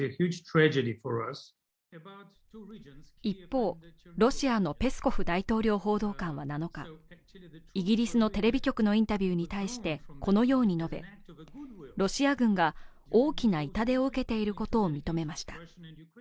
一方、ロシアのペスコフ大統領報道官は７日、イギリスのテレビ局のインタビューに対してこのように述べロシア軍が大きな痛手を受けていることを認めました。